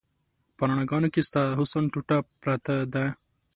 په رڼاګانو کې د ستا حسن ټوټه پرته ده